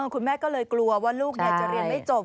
คุณแม่ก็เลยกลัวว่าลูกจะเรียนไม่จบ